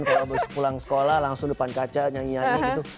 kalau pulang sekolah langsung depan kaca nyanyi nyanyi gitu